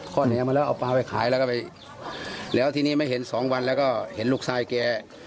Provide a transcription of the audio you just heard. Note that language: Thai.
เหนือมาแล้วเอาปลาไปขายแล้วก็ไปแล้วทีนี้ไม่เห็นสองวันแล้วก็เห็นลูกชายแก